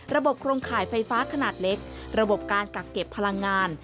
โครงข่ายไฟฟ้าขนาดเล็กระบบการกักเก็บพลังงาน